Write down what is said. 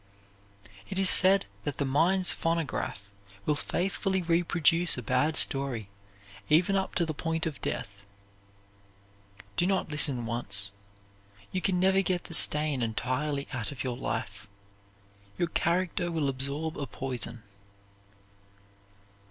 It is said that the mind's phonograph will faithfully reproduce a bad story even up to the point of death. Do not listen once. You can never get the stain entirely out of your life. Your character will absorb the poison.